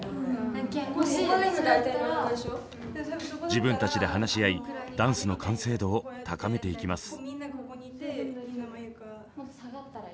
自分たちで話し合いダンスの完成度を高めていきます。